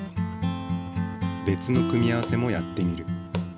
別の組み合わせもやってみる。